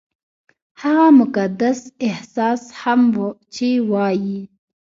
هغه مقدس احساس هم چې وايي-